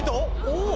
おお。